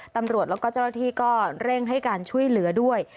ตำรวจแล้วก็เจ้าหน้าที่ก็เร่งให้การช่วยเหลือด้วย